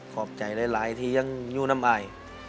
ขอบใจหลายที่ยังอยู่น้ำอาย